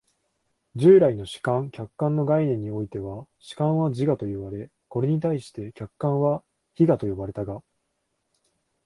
従来の主観・客観の概念においては、主観は自我といわれ、これに対して客観は非我と呼ばれたが、